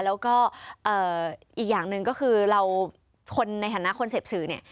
แล้วก็อีกอย่างหนึ่งก็คือในฐานะคนเสพสือ